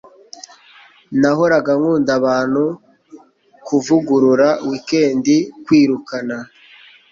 nahoraga nkunda abantu 'kuvugurura weekend' - kwirukana